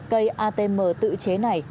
cây atm tự chế này